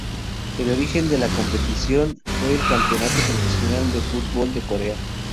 El origen de la competición fue el Campeonato profesional de fútbol de Corea.